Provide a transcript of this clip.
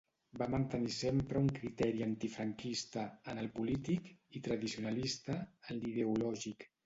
Va mantenir sempre un criteri antifranquista, en el polític, i tradicionalista, en l'ideològic.